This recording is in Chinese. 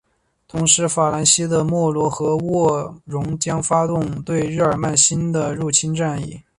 同时法兰西的莫罗和喔戌将发动对日耳曼新的入侵战役。